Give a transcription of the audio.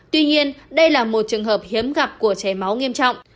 tuy nhiên đây là một trường hợp hiếm gặp của cháy máu nghiêm trọng